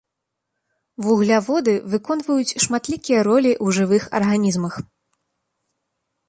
Вугляводы выконваюць шматлікія ролі ў жывых арганізмах.